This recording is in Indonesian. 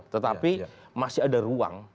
tetapi masih ada ruang